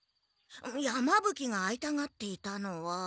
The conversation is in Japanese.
山ぶ鬼が会いたがっていたのは。